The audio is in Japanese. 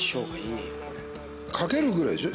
掛けるぐらいでしょ？